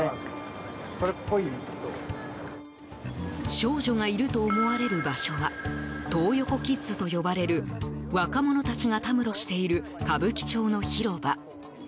少女がいると思われる場所はトー横キッズと呼ばれる若者たちがたむろしている歌舞伎町の広場。